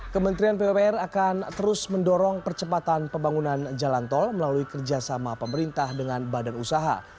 kementerian pupr akan terus mendorong percepatan pembangunan jalan tol melalui kerjasama pemerintah dengan badan usaha